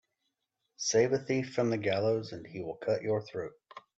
Save a thief from the gallows and he will cut your throat